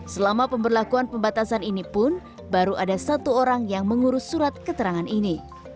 selama pemberlakuan pembatasan ini pun baru ada satu orang yang mengurus surat keterangan ini